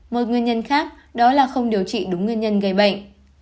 một nguyên nhân khác đó là không điều trị đúng nguyên nhân gây bệnh